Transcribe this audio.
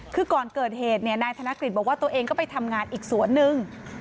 คือก่อนเกิดเหตุเนี่ยนายธนกฤษบอกว่าตัวเองก็ไปทำงานอีกสวนนึง